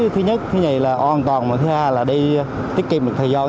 thứ nhất là an toàn thứ hai là tiết kiệm được thời gian